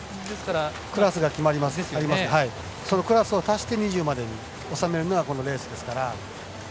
クラスが決まるのでクラスを足して２０まで収めるのがこのレースですから。